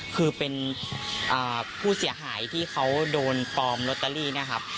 คือเป็นผู้เสียหายที่เขาโดนปลอมลอตเตอรี่นะครับ